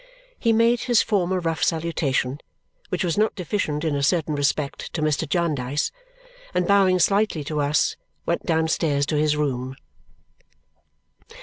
He made his former rough salutation, which was not deficient in a certain respect, to Mr. Jarndyce, and bowing slightly to us, went downstairs to his room.